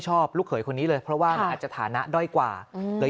ลูกเขยคนนี้เลยเพราะว่ามันอาจจะฐานะด้อยกว่าเลย